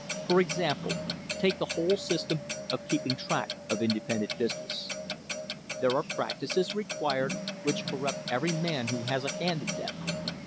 For example, take the whole system of keeping track of independent business. There are practices required which corrupt every man who has a hand in them.